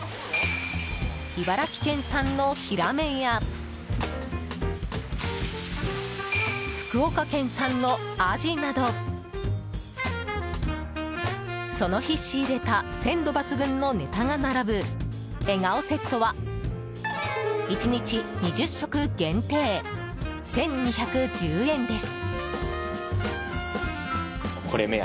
茨城県産のヒラメや福岡県産のアジなどその日仕入れた鮮度抜群のネタが並ぶえがおセットは１日２０食限定１２１０円です。